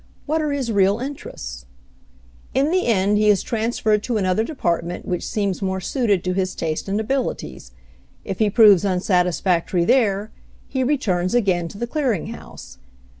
What are his real interests ? In the end he is transferred to another depart ment which seems more suited to his taste and abilities. If he proves unsatisfactory there, he returns again to the clearing house.